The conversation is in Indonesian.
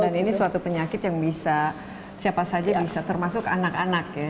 dan ini suatu penyakit yang bisa siapa saja bisa termasuk anak anak ya